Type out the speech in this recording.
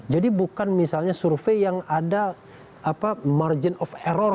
jadi bukan misalnya survei yang ada apa margin of error